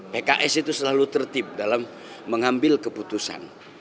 pks itu selalu tertib dalam mengambil keputusan